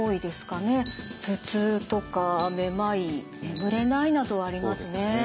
「頭痛」とか「めまい」「眠れない」などありますね。